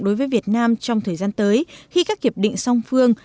đối với việt nam trong thời gian tới khi các hiệp định song phương